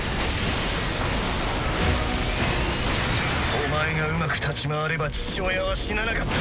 お前がうまく立ち回れば父親は死ななかった。